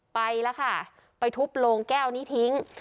ไปแล้วค่ะไปทุบโรงแก้วนี้ทิ้ง